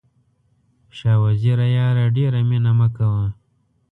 شاه وزیره یاره ډېره مینه مه کوه.